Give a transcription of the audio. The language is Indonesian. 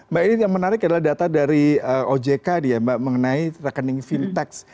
mbak ini yang menarik adalah data dari ojk ya mbak mengenai rekening fintechs